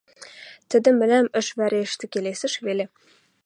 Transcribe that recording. Тӹдӹ мӹлӓм ӹш вӓшештӹ, келесӹш веле: